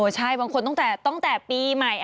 ใช่บางคนตั้งแต่ปีใหม่